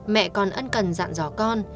mẹ con ân cần dặn dò con